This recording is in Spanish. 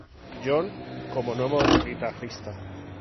John, como nuevo guitarrista.